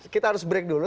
kita harus break dulu